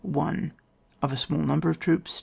1. Of a small number of troops.